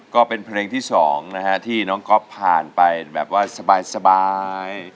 ก็เป็นเพลงที่๒นะฮะที่น้องก๊อฟผ่านไปแบบว่าสบาย